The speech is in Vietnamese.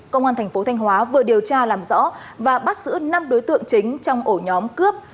công an thành phố thanh hóa vừa điều tra làm rõ và bắt giữ năm đối tượng chính trong ổ nhóm cướp